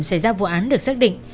xảy ra vụ án được xác định